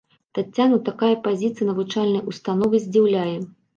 Таццяну такая пазіцыя навучальнай установы здзіўляе.